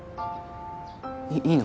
いいいの？